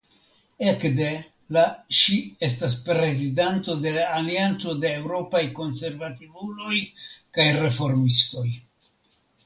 Ekde la ŝi estas prezidanto de la Alianco de Eŭropaj Konservativuloj kaj Reformistoj.